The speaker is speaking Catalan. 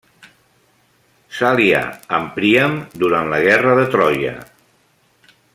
S'alià amb Príam durant la guerra de Troia.